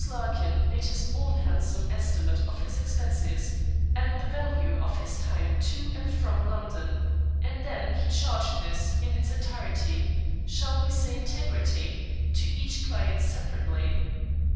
Larkin made his own handsome estimate of his expenses, and the value of his time to and from London, and then he charged this in its entirety shall we say integrity to each client separately.